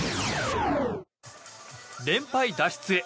連敗脱出へ。